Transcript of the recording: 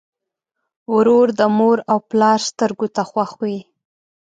ورور د مور او پلار سترګو ته خوښ وي.